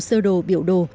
sơ đồ biểu đồ